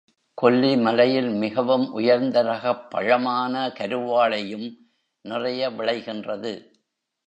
கொல்லி மலையில் மிகவும் உயர்ந்த ரகப் பழமான கருவாழை யும் நிறைய விளைகின்றது.